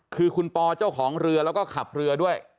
คือคุณปอเจ้าของเรือแล้วก็ขับเรือด้วย